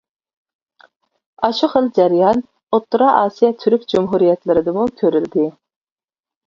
ئاشۇ خىل جەريان ئوتتۇرا ئاسىيا تۈرك جۇمھۇرىيەتلىرىدىمۇ كۆرۈلدى.